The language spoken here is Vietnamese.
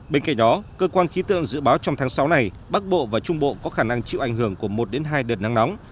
bên cạnh đó cơ quan khí tượng dự báo trong tháng sáu này bắc bộ và trung bộ có khả năng chịu ảnh hưởng của một hai đợt nắng nóng